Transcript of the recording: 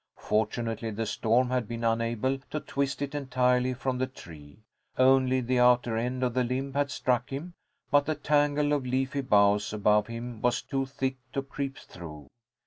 Fortunately, the storm had been unable to twist it entirely from the tree. Only the outer end of the limb had struck him, but the tangle of leafy boughs above him was too thick to creep through.